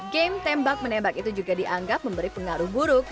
game tembak menembak itu juga dianggap memberi pengaruh buruk